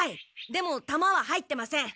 でもたまは入ってません。